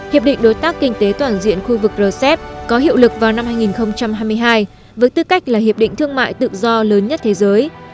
hiệp định đối tác kinh tế toàn diện khu vực rcep có hiệu lực vào năm hai nghìn hai mươi hai với tư cách là hiệp định thương mại tự do lớn nhất thế giới